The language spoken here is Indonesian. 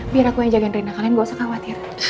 biar aku yang jagain rina kalian gak usah khawatir